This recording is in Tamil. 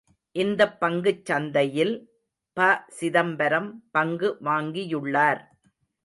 இந்தப் பங்குச் சந்தையில் ப.சிதம்பரம் பங்கு வாங்கியுள்ளார்.